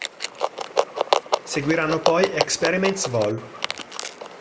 Seguiranno poi "Experiments Vol.